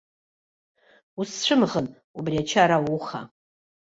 Усцәымӷын убри ачара ауха.